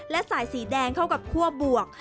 และสายสีแดงเข้ากับคั่วบวก